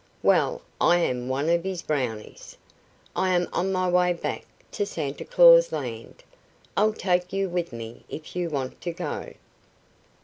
Well, I am one of his Brownies. I am on my way back to Santa Claus Land. I'll take you with me if you want to go."